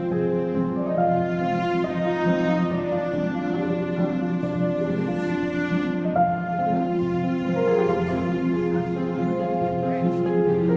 mencoba untuk mencoba